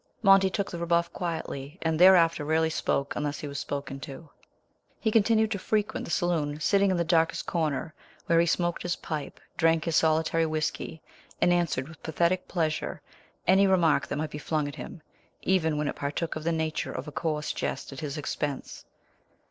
Monty took the rebuff quietly, and thereafter rarely spoke unless he was spoken to. He continued to frequent the saloon, sitting in the darkest corner, where he smoked his pipe, drank his solitary whisky, and answered with pathetic pleasure any remark that might be flung at him, even when it partook of the nature of a coarse jest at his expense.